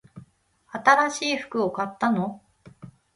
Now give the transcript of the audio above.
新しい服を買ったの？